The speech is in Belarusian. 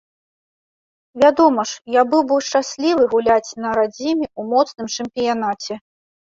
Вядома ж, я быў бы шчаслівы гуляць на радзіме, у моцным чэмпіянаце.